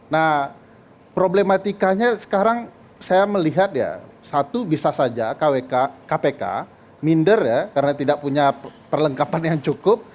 nah problematikanya sekarang saya melihat ya satu bisa saja kpk minder ya karena tidak punya perlengkapan yang cukup